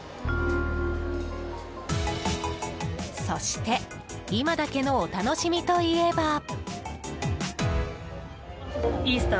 そして、今だけのお楽しみといえば。